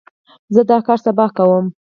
زه دا کار سبا کوم.